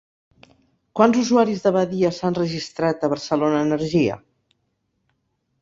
Quants usuaris de Badia s'han registrat a Barcelona Energia?